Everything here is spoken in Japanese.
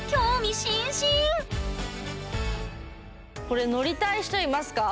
これ乗りたい人いますか？